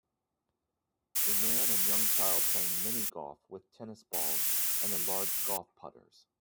A man and young child playing mini golf with tennis balls and enlarged golf putters.